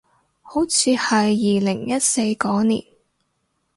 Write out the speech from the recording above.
好似係二零一四嗰年